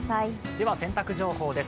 では洗濯情報です。